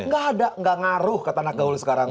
tidak ada tidak ngaruh ke tanah gaul sekarang